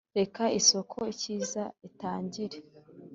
reka isoko ikiza itangire,